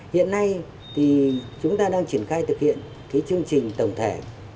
hiện nay chúng ta đang triển khai thực hiện chương trình tổng thể